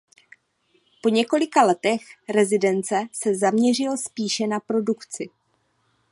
Po několika letech rezidence se zaměřil spíše na produkci.